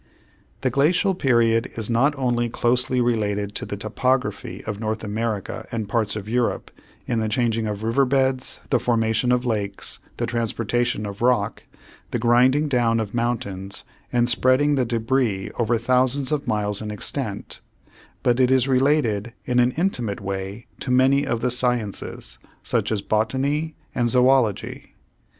The glacial period is not only closely related to the topography of North America and parts of Europe in the changing of river beds, the formation of lakes, the transportation of rock, the grinding down of mountains and spreading the débris over thousands of miles in extent, but it is related in an intimate way to many of the sciences, such as botany and zoölogy.